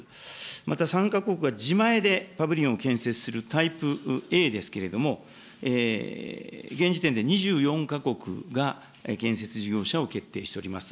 また参加国が自前でパビリオンを建設する、タイプＡですけれども、現時点で２４か国が建設事業者を決定しております。